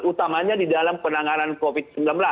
utamanya di dalam penanganan covid sembilan belas